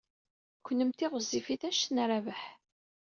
Kennemti ɣezzifit anect n Rabaḥ.